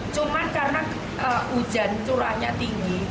cuma karena hujan curahnya tinggi